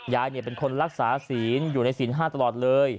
ยายเป็นคนรักษาศีลอยู่ในศีล๕ตลอดเลย